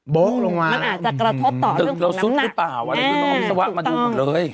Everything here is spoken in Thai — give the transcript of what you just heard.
บู้๊งตึงละซุดหรือเปล่าอะไรต้องให้วิศวะมาดูกันเลย